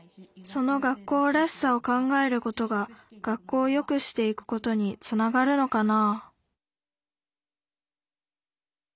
その学校らしさを考えることが学校をよくしていくことにつながるのかな？